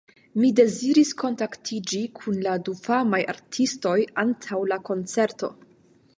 Mi deziris konatiĝi kun la du famaj artistoj antaŭ la koncerto.